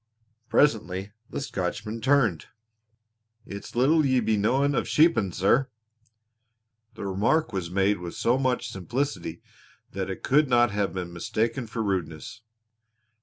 Presently the Scotchman turned. "It's little you be knowin' of sheepin', sir." The remark was made with so much simplicity that it could not have been mistaken for rudeness.